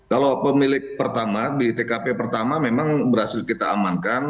kalau pemilik pertama di tkp pertama memang berhasil kita amankan